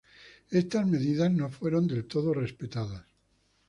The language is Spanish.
Éstas medidas no fueron del todo respetadas.